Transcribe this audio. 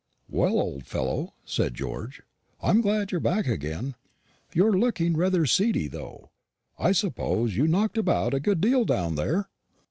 "Well, old fellow," said George, "I'm glad you're back again. You're looking rather seedy, though. I suppose you knocked about a good deal down there?"